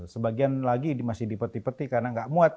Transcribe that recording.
sebagian lagi masih dipeti peti karena gak muat